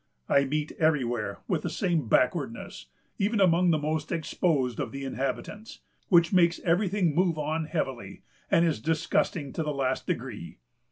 I meet everywhere with the same backwardness, even among the most exposed of the inhabitants, which makes every thing move on heavily, and is disgusting to the last degree."